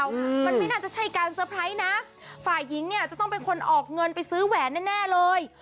อืมมันไม่น่าจะใช่การเตอร์ไพรส์นะฝ่ายหญิงเนี่ยจะต้องเป็นคนออกเงินไปซื้อแหวนแน่แน่เลย